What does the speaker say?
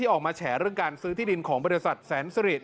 ออกมาแฉเรื่องการซื้อที่ดินของบริษัทแสนสิริ